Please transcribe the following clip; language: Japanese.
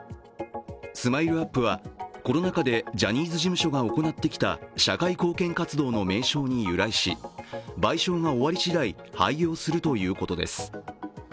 ＳＭＩＬＥ−ＵＰ．はコロナ禍でジャニーズ事務所が行ってきた社会貢献活動の名称に由来し、賠償が終わり次第、廃業するということです。